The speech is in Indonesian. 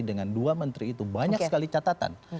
dengan dua menteri itu banyak sekali catatan